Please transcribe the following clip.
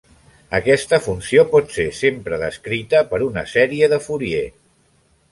Aquesta funció pot ser sempre descrita per una sèrie de Fourier.